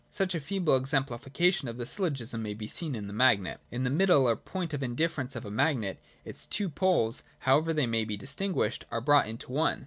Such a feeble exemplification of the syllogism may be seen in the magnet. In the middle or point of indifference of a magnet, its two poles, however they may be distinguished, are brought into one.